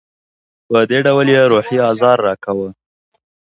په دې ډول یې روحي آزار راکاوه.